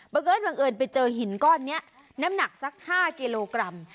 เอิญบังเอิญไปเจอหินก้อนนี้น้ำหนักสัก๕กิโลกรัม